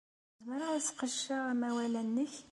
Zemreɣ ad sqedceɣ amawal-a-nnek?